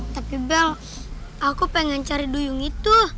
tapi bel aku pengen cari duyung itu